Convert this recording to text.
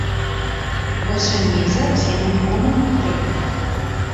Бо сёння і зараз яны нікому не патрэбныя.